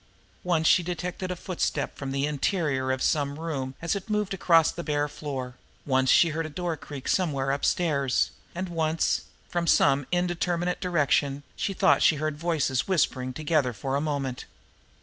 Once she detected a footstep from the interior of some room as it moved across a bare floor; once she heard a door creak somewhere upstairs; and once, from some indeterminate direction, she thought she heard voices whispering together for a moment.